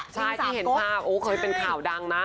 ใช่ที่เห็นภาพโอ้เคยเป็นข่าวดังนะ